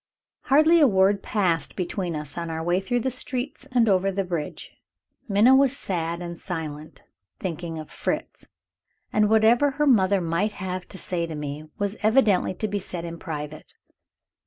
Hardly a word passed between us on our way through the streets and over the bridge. Minna was sad and silent, thinking of Fritz; and whatever her mother might have to say to me, was evidently to be said in private.